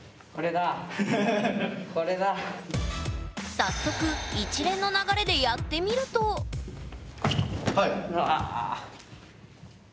早速一連の流れでやってみるとああ。